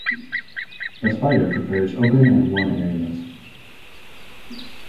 The spider prefers open and warm areas.